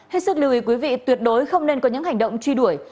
hết sức lưu ý quý vị tuyệt đối không nên có những hành động truy đuổi